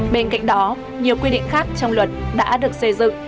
bên cạnh đó nhiều quy định khác trong luật đã được xây dựng